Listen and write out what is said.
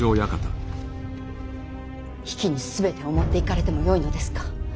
比企に全てを持っていかれてもよいのですか。